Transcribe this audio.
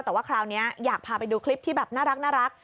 แต่ว่าคราวนี้อยากพาไปดูคลิปที่แบบน่ารัก